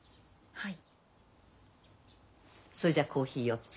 はい。